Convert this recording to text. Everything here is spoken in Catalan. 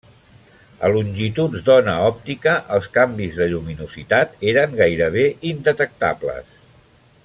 A longituds d'ona òptica, els canvis de lluminositat eren gairebé indetectables.